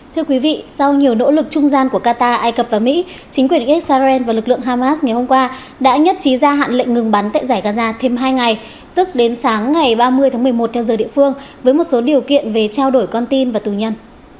thưa quý vị sau nhiều nỗ lực trung gian của qatar ai cập và mỹ chính quyền israel và lực lượng hamas ngày hôm qua đã nhất trí gia hạn lệnh ngừng bắn tại giải gaza thêm hai ngày tức đến sáng ngày ba mươi tháng một mươi một theo giờ địa phương với một số điều kiện về trao đổi con tin và tù nhân